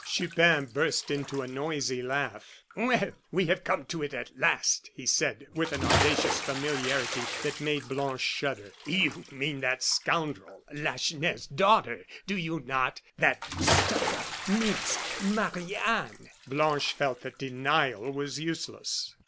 Chupin burst into a noisy laugh. "Well, we have come to it at last," he said, with an audacious familiarity that made Blanche shudder. "You mean that scoundrel Lacheneur's daughter, do you not? that stuck up minx, Marie Anne?" Blanche felt that denial was useless.